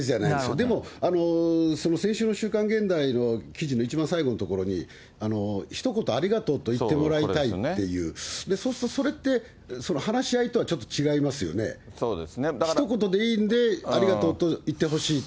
でも、その先週の週刊現代の記事の一番最後の所に、ひと言ありがとうと言ってもらいたいっていう、そうすると、それって、話し合いとはそうですね。ひと言でいいんで、ありがとうと言ってほしいって。